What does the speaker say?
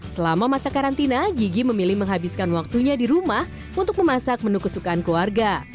selama masa karantina gigi memilih menghabiskan waktunya di rumah untuk memasak menu kesukaan keluarga